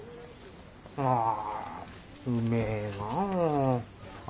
あうめえなあ。